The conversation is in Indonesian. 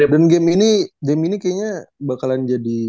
dan game ini kayaknya bakalan jadi